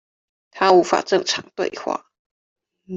他無法正常對話